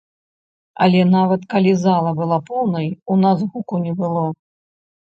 Але нават калі зала была поўнай, у нас гуку не было.